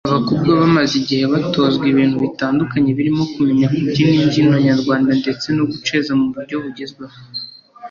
Abakobwa bamaze igihe batozwa ibintu bitandukanye birimo kumenya kubyina imbyino nyaRwanda ndetse no guceza mu buryo bugezweho